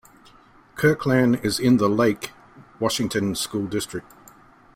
Kirkland is in the Lake Washington School District.